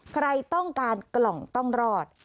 ใครต้องการกล่องต้องรอด